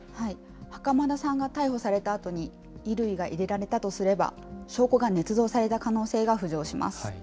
袴田さんが逮捕されたあとに衣類が入れられたとすれば、証拠がねつ造された可能性が浮上します。